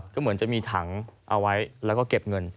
ก็เหมือนจะมีถังเอาไว้แล้วก็เก็บเงิน